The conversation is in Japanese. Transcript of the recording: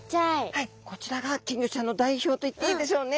はいこちらが金魚ちゃんの代表といっていいでしょうね。